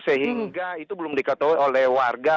sehingga itu belum diketahui oleh warga